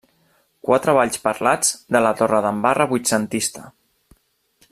Quatre balls parlats de la Torredembarra vuitcentista.